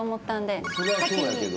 それはそうやけど。